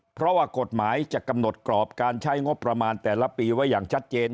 เพราะว่ากฎหมายจะกำหนดกรอบการใช้งบประมาณแต่ละปีไว้อย่างชัดเจน